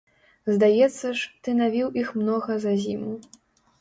Здаецца ж, ты навіў іх многа за зіму!